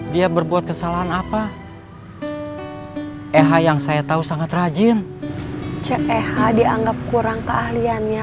jangan usah nyombol